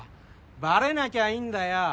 バレなきゃいいんだよ。